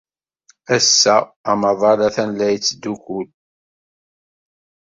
Ass-a, amaḍal atan la yettdukkul.